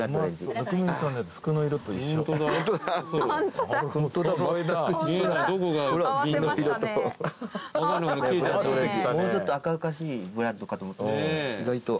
もうちょっと赤々しいブラッドかと思ったら意外と。